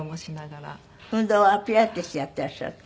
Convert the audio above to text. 運動はピラティスやっていらっしゃるって？